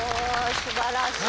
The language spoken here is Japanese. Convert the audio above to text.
すばらしい。